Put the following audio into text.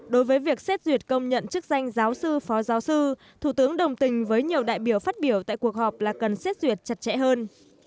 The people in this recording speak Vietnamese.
đối với việc xét duyệt công nhận chức danh giáo sư phó giáo sư thủ tướng đồng tình với nhiều đại biểu phát biểu tại cuộc họp là cần xét duyệt chặt chẽ hơn